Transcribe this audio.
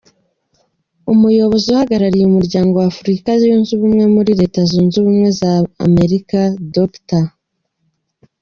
Umuyobozi uhagarariye Umuryango wa Afurika Yunze Ubumwe muri Leta Zunze Ubumwe za Amerika, Dr.